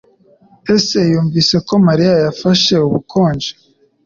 ese yumvise ko Mariya yafashe ubukonje.